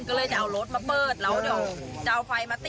ก็เลยจะเอารถมาเปิดแล้วเดี๋ยวจะเอาไฟมาติด